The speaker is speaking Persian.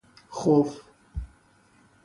خوف